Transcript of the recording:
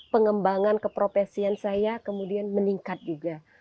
pengembangan keprofesian saya kemudian meningkat juga